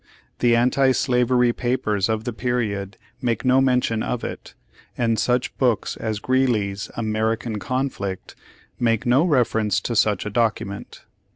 The anti slavery papers of the period make no mention of it, and such books as Greeley's ''American Conflict," make no reference to such a document.